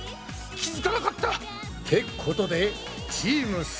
気付かなかった！ってことでチームす